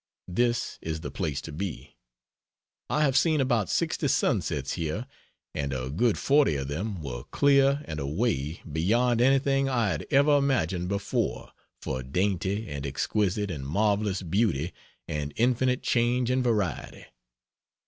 This is the place to be. I have seen about 60 sunsets here; and a good 40 of them were clear and away beyond anything I had ever imagined before for dainty and exquisite and marvellous beauty and infinite change and variety.